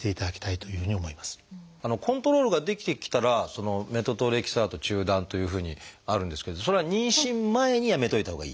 コントロールができてきたらメトトレキサート中断というふうにあるんですけどそれは妊娠前にやめといたほうがいい？